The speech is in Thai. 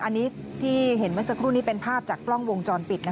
อันนี้ที่เห็นเมื่อสักครู่นี้เป็นภาพจากกล้องวงจรปิด